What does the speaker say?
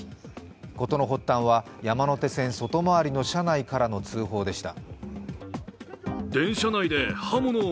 事の発端は山手線外回りの車内から相次いだ通報でした。